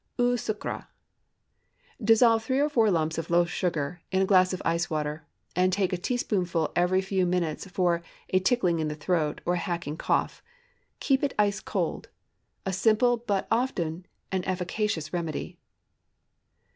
EAU SUCRÉ. ✠ Dissolve three or four lumps of loaf sugar in a glass of ice water, and take a teaspoonful every few minutes for a "tickling in the throat," or a hacking cough. Keep it ice cold. A simple, but often an efficacious remedy.